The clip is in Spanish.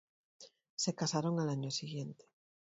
Se casaron al año siguiente.